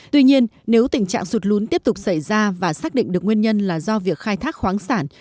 tuy nhiên nếu tình trạng sụt lún tiếp tục xảy ra và xác định được nguyên nhân là do việc khai thác khoáng sản